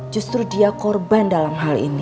justru dia korban dalam hal ini